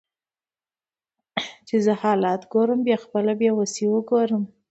چې زه حالات ګورم بیا خپله بیوسي وګورم